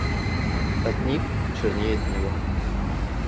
От них чернеет небо.